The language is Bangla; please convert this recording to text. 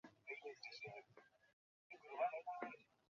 কয়েকজন ব্যান্ডেজ তুলে দেখাল, সেখানে তিন থেকে চারটি করে সেলাই লেগেছে।